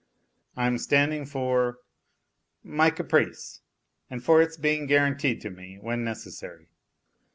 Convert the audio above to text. I am standing for ... my caprice, and for its being guaranteed to me when necessary.